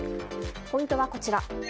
ポイントはこちら。